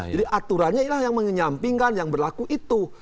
jadi aturannya yang menyampingkan yang berlaku itu